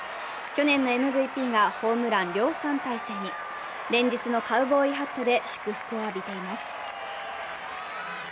去年のＭＶＰがホームラン量産体制に連日のカウボーイハットで祝福を浴びています。